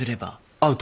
アウト。